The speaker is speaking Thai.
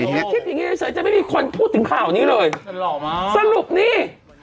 คิดแบบนี้แค่เฉยจะไม่มีคนพูดถึงข่าวนี้เลยหล่อมากสรุปนี้